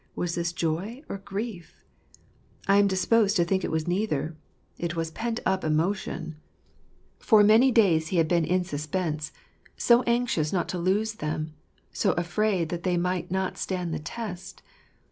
Was this joy or grief ? I am disposed to think it was neither. It was pent up emotion. For many ii 6 Joseph making himself kttoUm. days he had been in suspense ; so anxious not to lose them, so afraid that they might not stand the test.